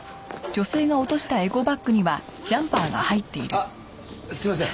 あっすみません。